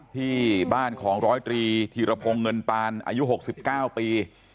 ที่บ้านของร้อยตรีธีรพงศ์เงินปานอายุ๖๙ปี